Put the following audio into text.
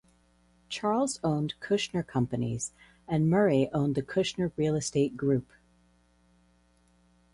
Charles owns Kushner Companies and Murray owns the Kushner Real Estate Group.